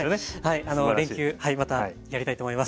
はい連休またやりたいと思います。